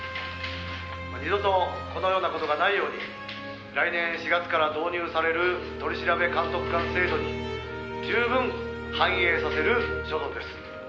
「二度とこのような事がないように来年４月から導入される取調監督官制度に十分反映させる所存です」